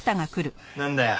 なんだよ。